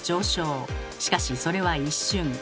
しかしそれは一瞬。